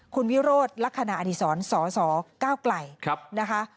คุณวิโรธลักษณะอดีศรสสก้าวไกลนะคะ